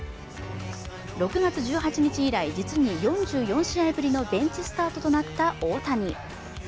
６月１８日以来、実に４４試合ぶりのベンチスタートとなった大谷。